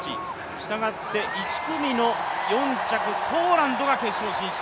したがって、１組の４着、ポーランドが決勝進出。